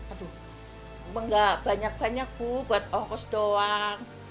aduh enggak banyak banyak bu buat ongkos doang